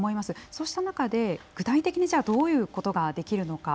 そうした中で具体的にどういうことができるのか。